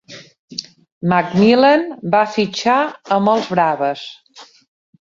McMillen va fitxar amb els Braves.